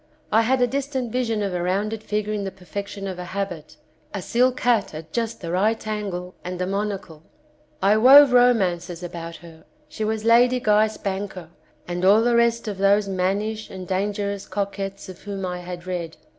I had a distant vision of a rounded figure in the perfection of a habit, a silk hat at just the right angle and a monocle. I wove romances about her; she was Lady Guy Spanker and all the rest of those mannish and dangerous coquettes of whom I had read.